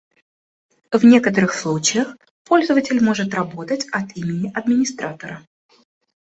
В некоторых случаях, пользователь может работать от имени администратора